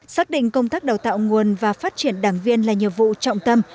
xác định công tác đào tạo nguồn và phát triển đảng viên là nhiệm vụ trọng tâm